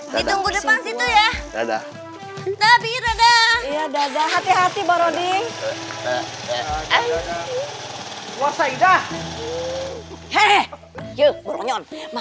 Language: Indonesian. ditunggu depan situ ya